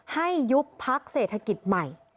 ยุบพักเศรษฐกิจใหม่